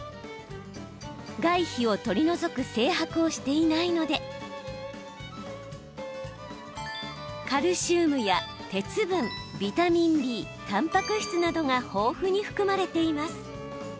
外皮を取り除く精白をしていないのでカルシウムや鉄分ビタミンＢ、たんぱく質などが豊富に含まれています。